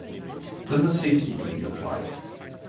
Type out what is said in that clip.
Then the safety can be applied.